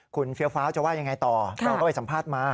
คุณเฟี้ยวฟ้าจะว่ายังไงต่อเราก็ไปสัมภาษณ์มา